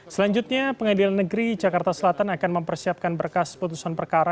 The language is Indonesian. selanjutnya pengadilan negeri jakarta selatan akan mempersiapkan berkas putusan perkara